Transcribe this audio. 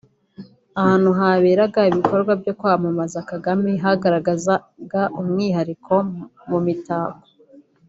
ahantu haberaga ibikorwa byo kwamamaza Kagame hagaragazaga umwihariko mu mitako